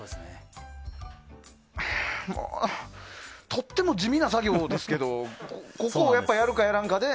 とっても地味な作業ですけどここを、やるかやらんかで？